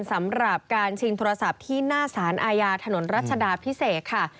สำหรับการชิงโทรศัพท์ที่หน้าสารอาญาถนนรัชดาพิเศษค่ะ